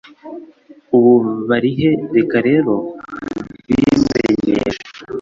ubu barihe Reka rero mbimenyeshe